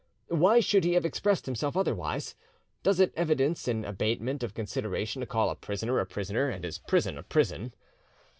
Why should he have expressed himself otherwise? Does it evidence an abatement of consideration to call a prisoner a prisoner, and his prison a prison?